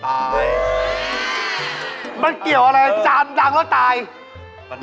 อว่าสะกดวิงญางไหว